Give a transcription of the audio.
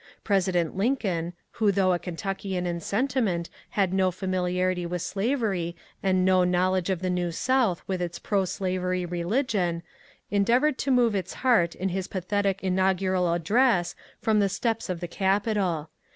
President Lincoln, who though a Kentuckian in sentiment had no famil iarity with slavery and no knowledge of the New South with its proslavery religion, endeavoured to move its heart in his pathetic inaugural address from the steps of the Capitol.